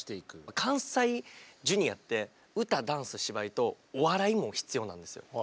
関西ジュニアって歌ダンス芝居とお笑いも必要なんですよ。